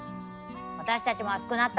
私たちも熱くなった。